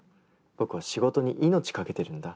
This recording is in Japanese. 僕は仕事に命懸けてるんだ。